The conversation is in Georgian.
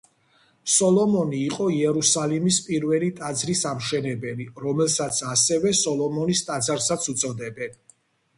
სოლომონი იყო იერუსალიმის პირველი ტაძრის ამშენებელი, რომელსაც ასევე სოლომონის ტაძარსაც უწოდებენ.